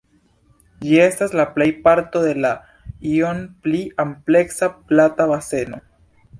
Ĝi estas la plej parto de la iom pli ampleksa Plata Baseno.